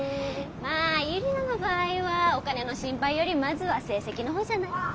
まあユリナの場合はお金の心配よりまずは成績の方じゃない？